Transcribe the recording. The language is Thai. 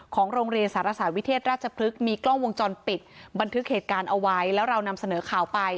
โรงเรียนสารศาสตร์วิเทศราชพฤกษ์มีกล้องวงจรปิดบันทึกเหตุการณ์เอาไว้แล้วเรานำเสนอข่าวไป